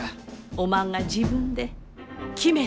おまんが自分で決めたらえい。